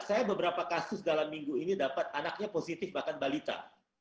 saya beberapa kasus dalam minggu ini dapat anaknya positif bahkan balita